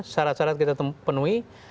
syarat syarat kita penuhi